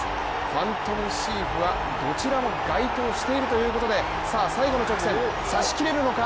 ファントムシーフはどちらも該当しているということでさあ、最後の直線差しきれるのか。